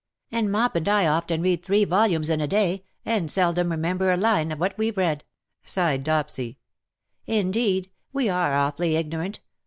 "And Mop and I often read three volumes in a day, and seldom remember a line of what we read,^^ sighed Dopsy. " Indeed, we are awfully ignorant.